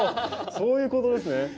そういうことですね。